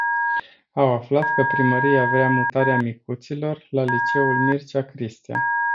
Au aflat că primăria vrea mutarea micuților la liceul Mircea Cristea.